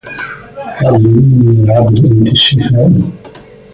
علليني يا عبد أنت الشفاء